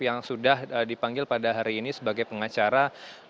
yang sudah dipanggil pada hari ini sebagai pengacara